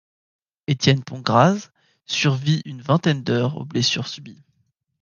Étienne Pongrácz survit une vingtaine d'heures aux blessures subies.